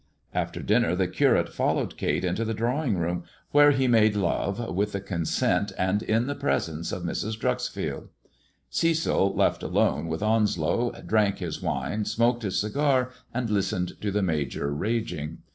After dinner the Curate followed Kate into the drawing room, where he made love, with the consent and in the presence of Mrs. Dreuxfield. Cecil, left alone with Onslow, drank his wine, smoked his cigar, and listened to the Major raging.